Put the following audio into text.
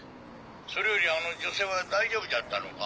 それよりあの女性は大丈夫じゃったのか？